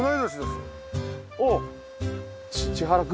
おっ！